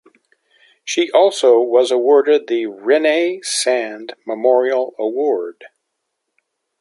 She also was awarded the "Rene Sand Memorial Award".